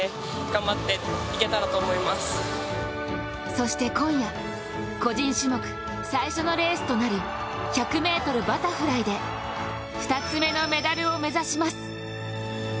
そして、今夜、個人種目最初のレースとなる１００ｍバタフライで２つ目のメダルを目指します。